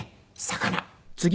魚。